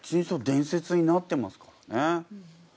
伝説になってますからね。